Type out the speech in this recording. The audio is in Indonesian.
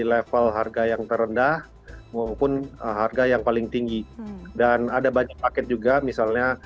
level harga yang terendah maupun harga yang paling tinggi dan ada banyak paket juga misalnya